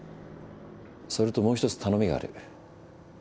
それともう１つ頼みがある。